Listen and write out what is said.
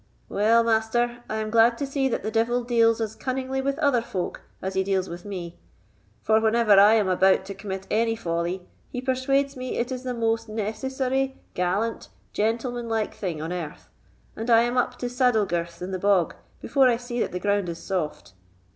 "Well, Master, I am glad to see that the devil deals as cunningly with other folk as he deals with me; for whenever I am about to commit any folly, he persuades me it is the most necessary, gallant, gentlemanlike thing on earth, and I am up to saddlegirths in the bog before I see that the ground is soft.